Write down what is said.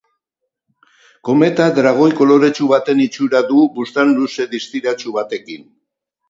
Kometak dragoi koloretsu baten itxura du, buztan luze distiratsu batekin.